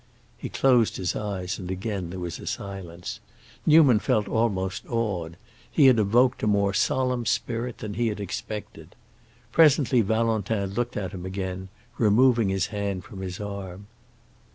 He closed his eyes and again there was a silence. Newman felt almost awed; he had evoked a more solemn spirit than he expected. Presently Valentin looked at him again, removing his hand from his arm.